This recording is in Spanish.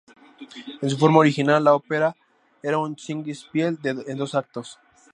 En su forma original, la ópera era un "Singspiel" en dos actos.